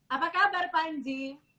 apa kabar panci